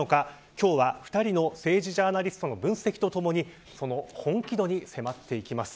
今日は２人の政治ジャーナリストの分析とともにその本気度に迫っていきます。